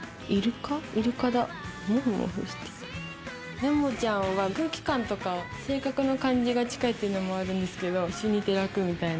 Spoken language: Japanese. ねもちゃんは空気感とか性格の感じが近いっていうのもあるんですけど一緒にいて楽みたいな。